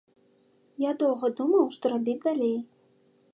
Я доўга думаў, што рабіць далей.